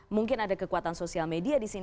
mungkin ada kekuatan sosial media disini